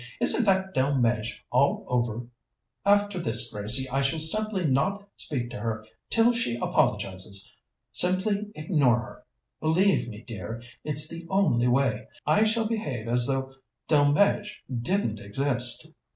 "Isn't that Delmege all over? After this, Gracie, I shall simply not speak to her till she apologizes. Simply ignore her. Believe me, dear, it's the only way. I shall behave as though Delmege didn't exist."